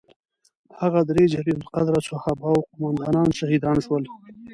هغه درې جلیل القدره صحابه او قوماندانان شهیدان شول.